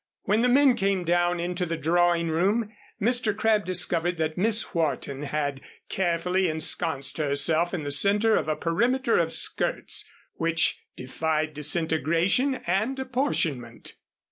When the men came down into the drawing room, Mr. Crabb discovered that Miss Wharton had carefully ensconced herself in the center of a perimeter of skirts, which defied disintegration and apportionment.